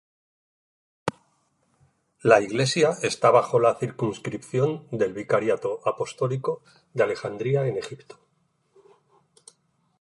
La iglesia esta bajo la circunscripción del Vicariato Apostólico de Alejandría en Egipto.